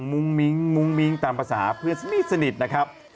มุ้งมิ้งตามภาษาเพื่อนสนิทนะครับ